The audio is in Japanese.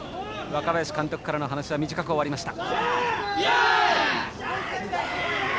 若林監督からの話は短く終わりました。